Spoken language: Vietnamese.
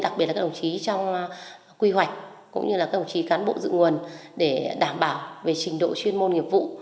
đặc biệt là các đồng chí trong quy hoạch cũng như là các đồng chí cán bộ dự nguồn để đảm bảo về trình độ chuyên môn nghiệp vụ